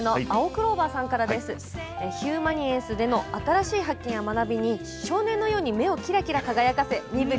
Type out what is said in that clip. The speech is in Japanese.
「ヒューマニエンス」の新しい発見や学びに少年のように目をキラキラ輝かせ身ぶり